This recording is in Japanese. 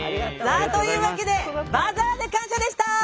さあというわけでバザーで感謝でした！